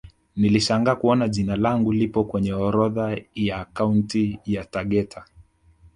Nilishangaa kuona jina langu lipo kwenye orodha ya akaunti ya Tegeta